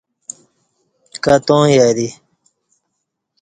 کتاں یری